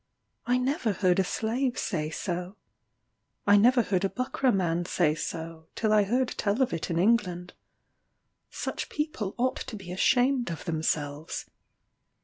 I never heard a slave say so. I never heard a Buckra man say so, till I heard tell of it in England. Such people ought to be ashamed of themselves.